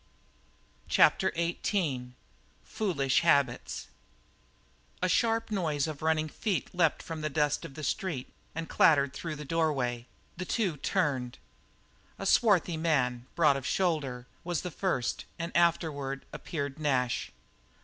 CHAPTER XVIII FOOLISH HABITS A sharp noise of running feet leaped from the dust of the street and clattered through the doorway; the two turned. A swarthy man, broad of shoulder, was the first, and afterward appeared Nash.